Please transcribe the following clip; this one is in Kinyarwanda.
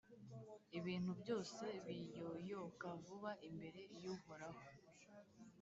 ibintu byose biyoyoka vuba imbere y’Uhoraho.